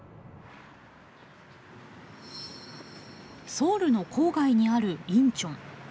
ソウルの郊外にあるインチョン。